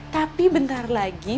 tapi bentar lagi